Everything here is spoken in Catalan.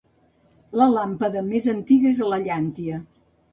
La làmpada més antiga és la llàntia.